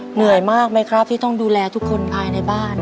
เหนื่อยมากไหมครับที่ต้องดูแลทุกคนภายในบ้าน